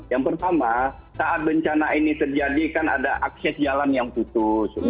yang pertama saat bencana ini terjadi kan ada akses jalan yang putus